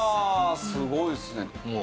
すごいですね。